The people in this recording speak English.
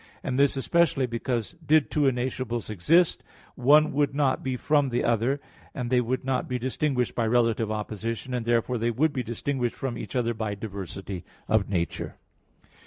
And this especially because, did two innascibles exist, one would not be from the other, and they would not be distinguished by relative opposition: therefore they would be distinguished from each other by diversity of nature.